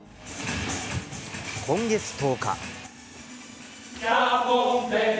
今月１０日。